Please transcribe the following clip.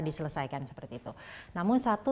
diselesaikan seperti itu namun satu